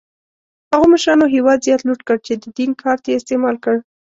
هغو مشرانو هېواد زیات لوټ کړ چې د دین کارت یې استعمال کړ.